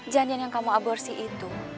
janin yang kamu aborsi itu